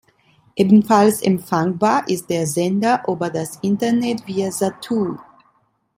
Ebenfalls empfangbar ist der Sender über das Internet via Zattoo.